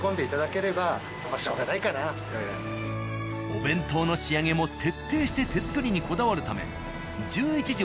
お弁当の仕上げも徹底して手作りにこだわるため１１時